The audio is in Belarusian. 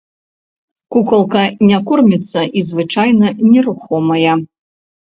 Кукалка не корміцца і звычайна нерухомая.